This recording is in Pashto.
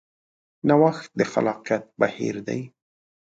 نوښت د خلاقیت بهیر دی.